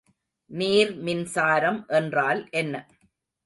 நீர்மின்சாரம் என்றால் என்ன?